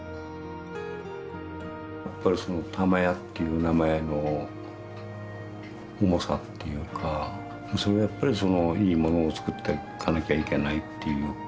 やっぱりその「玉屋」っていう名前の重さっていうかそれはやっぱりいいものを作っていかなきゃいけないっていう。